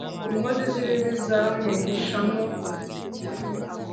inkozi z'ibibi zamwihishamo